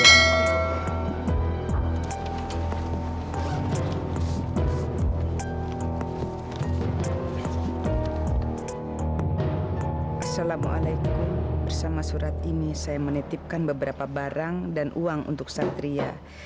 assalamualaikum bersama surat ini saya menitipkan beberapa barang dan uang untuk santria